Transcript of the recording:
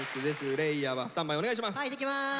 嶺亜はスタンバイお願いします。